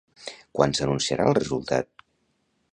Quan s'anunciarà el resultat?